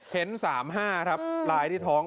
เห็น๓๕ครับไลน์ที่ท้อง